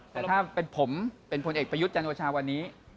แต่ถ้าเป็นผมเป็นพลเอกประยุทธ์จันโอชาวันนี้